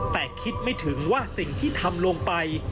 แต่คิดไม่ถึงว่าสิ่งที่ทำลงไป